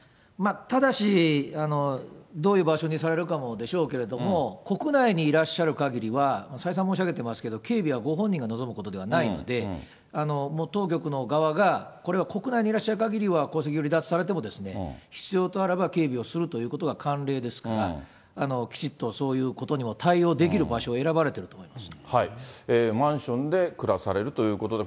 ただし、どういう場所にされるかもでしょうけれども、国内にいらっしゃるかぎりは、再三申し上げておりますけれども、警備はご本人が望むことではないので、当局の側が、これは国内にいらっしゃるかぎりは、皇籍を離脱されても、必要とあらば、警備をするということは慣例ですから、きちっとそういうことにも対応できる場所を選ばれてると思います。